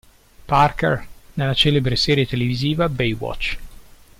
Parker nella celebre serie televisiva "Baywatch.